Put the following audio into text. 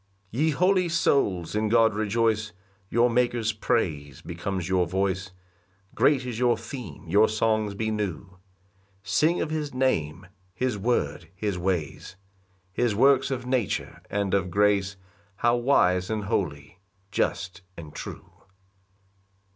1 Ye holy souls, in God rejoice, Your Maker's praise becomes your voice; Great is your theme, your songs be new: Sing of his name, his word, his ways, His works of nature and of grace, How wise and holy, just and true.